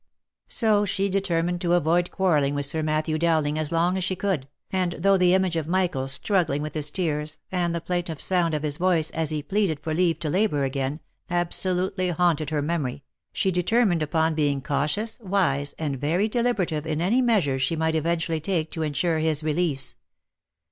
So she determined to avoid quarrelling with Sir Matthew Dowlin<£ as long as she could, and though the image of Michael struggling with his tears, and the plaintive sound of his voice as he pleaded for leave to labour again, absolutely haunted her memory, she determined upon being cautious, wise, and very deliberative in any measures she might eventually take to ensure his release.